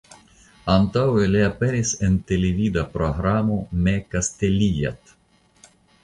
Antaŭe li aperis en televida programo "Me kastelijat".